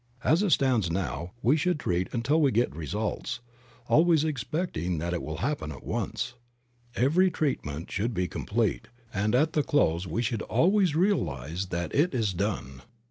As it now stands we should treat until we get results, always expecting that it will Creative Mind. 51 happen at once. Every treatment should be complete, and at the close we should always realize that it is done.